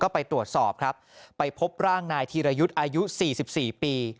ไปตรวจสอบครับไปพบร่างนายธีรยุทธ์อายุ๔๔ปี